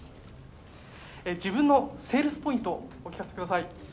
自分のセールスポイントをお聞かせください。